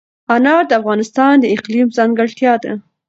انار د افغانستان د اقلیم ځانګړتیا ده.